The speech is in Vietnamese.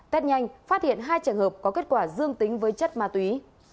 test nhanh phát hiện hai trường hợp có kết quả dương tính với chất ma túy